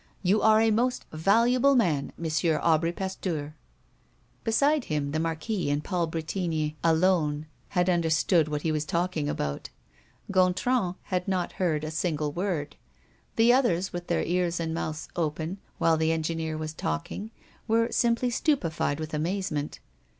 You are a most valuable man, M. Aubry Pasteur." Besides him, the Marquis and Paul Bretigny alone had understood what he was talking about. Gontran had not heard a single word. The others, with their ears and mouths open, while the engineer was talking, were simply stupefied with amazement.